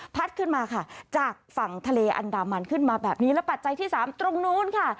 ขึ้นมาค่ะจากฝั่งทะเลอันดามันขึ้นมาแบบนี้และปัจจัยที่สามตรงนู้นค่ะ